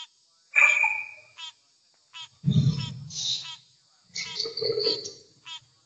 东两河遗址位于此行政区内。